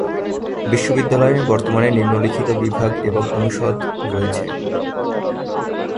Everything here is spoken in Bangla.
বিশ্ববিদ্যালয়ে বর্তমানে নিম্নলিখিত বিভাগ এবং অনুষদ রয়েছে।